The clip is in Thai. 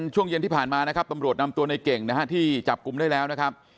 ช่วงเย็นที่ผ่านมานะครับตำรวจนำตัวในเก่งนะฮะที่จับกลุ่มได้แล้วนะครับ